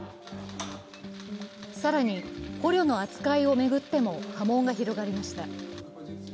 更に捕虜の扱いを巡っても波紋が広がりました。